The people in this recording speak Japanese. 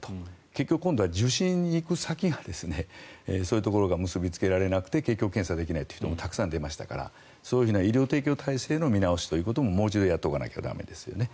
結局、今度は受診に行く先がそういうところが結びつけられなくて結局、検査できない人もたくさん出ましたからそういう医療提供体制の見直しということももう一度、やっておかないといけないですよね。